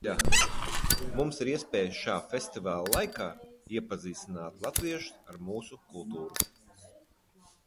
Mums ir iespēja šā festivāla laikā iepazīstināt latviešus ar mūsu kultūru.